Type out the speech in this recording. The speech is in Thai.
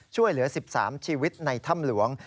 ช่วยเหลือ๑๓ชีวิตในถ้ำหลวง